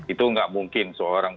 itu gak mungkin seorang